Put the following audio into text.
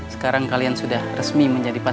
sekarang kalian sudah resmi menjadi pasangan